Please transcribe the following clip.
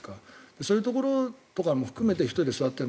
そういうところも含めて１人座っている。